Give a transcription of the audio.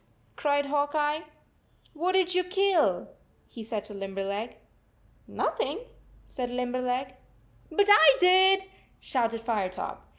cried Hawk Eye. 44 What did you kill?" he said to Lim berleg. " Nothing," said Limberleg. 4< But I did," shouted Firetop.